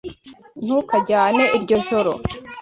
Ntukajyane iryo jwi.